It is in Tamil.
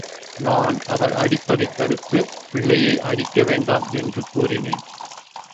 நான் அவர் அடிப்பதைத் தடுத்து, பிள்ளையை அடிக்கவேண்டாம் என்று கூறினேன்.